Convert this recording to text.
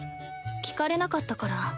聞かれなかったから。